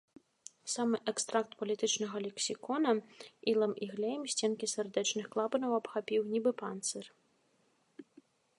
Самы экстракт палітычнага лексікона ілам і глеем сценкі сардэчных клапанаў абхапіў, нібы панцыр.